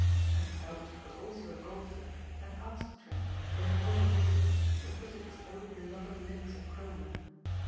And Phelps was also a golfer and asked Trent, when the war was over, to visit his own beloved links at Cromer.